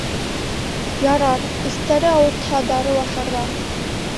Ярар, эстәре ауыртһа, дарыу ашарҙар...